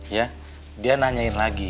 ya dia nanyain lagi